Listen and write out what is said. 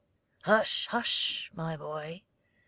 "Hush, hush, my boy!"